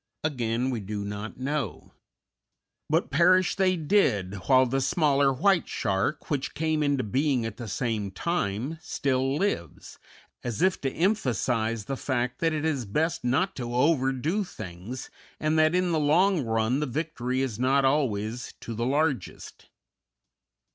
Again, we do not know. But perish they did, while the smaller white shark, which came into being at the same time, still lives, as if to emphasize the fact that it is best not to overdo things, and that in the long run the victory is not always to the largest.